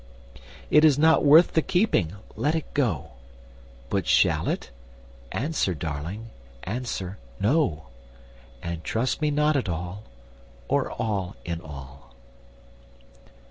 'It is not worth the keeping: let it go: But shall it? answer, darling, answer, no. And trust me not at all or all in all.